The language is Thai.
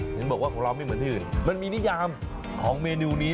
เห็นบอกว่าของเราไม่เหมือนที่อื่นมันมีนิยามของเมนูนี้